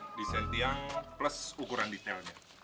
nih desain tiang plus ukuran detailnya